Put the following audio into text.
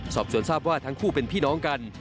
สอบส่วนทราบว่าทั้งคู่เป็นพี่น้องกัน